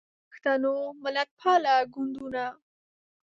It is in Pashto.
د پښتنو ملتپاله ګوندونه